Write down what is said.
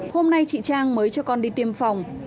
hôm nay chị trang mới cho con đi tiêm phòng